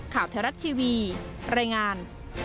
ข่าวไทยรัฐทีวีรายงาน